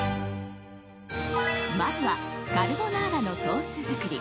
まずはカルボナーラのソース作り。